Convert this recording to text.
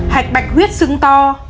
tám hạch bạch huyết xứng to